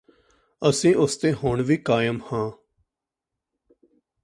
ਅਸੀਂ ਉਸ ਤੇ ਹੁਣ ਵੀ ਕਾਇਮ ਹਾਂ